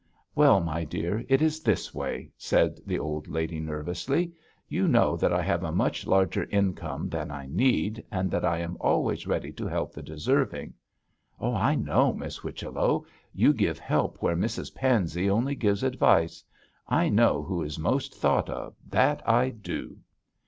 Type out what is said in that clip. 'Well, my dear, it's this way,' said the old lady, nervously. 'You know that I have a much larger income than I need, and that I am always ready to help the deserving.' 'I know, Miss Whichello! You give help where Mrs Pansey only gives advice. I know who is most thought of; that I do!'